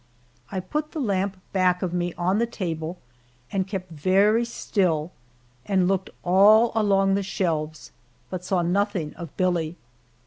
I put the lamp back of me on the table and kept very still and looked all along the shelves, but saw nothing of Billie.